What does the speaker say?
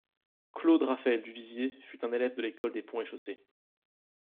Claude Raphaël Duvivier fut un élève de l’École des ponts et chaussées.